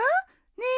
ねえ！